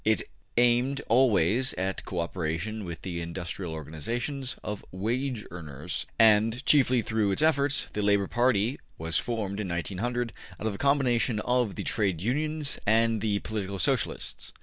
It aimed always at co operation with the industrial organizations of wage earners, and, chiefly through its efforts, the Labor Party was formed in 1900 out of a combination of the Trade Unions and the political Socialists.